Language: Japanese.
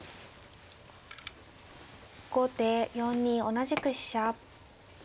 後手４二同じく飛車。